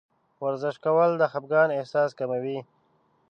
ورزش کول د خفګان احساس کموي.